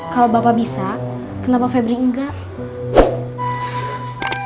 kalau bapak bisa kenapa febri enggak